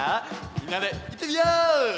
みんなでいってみよう！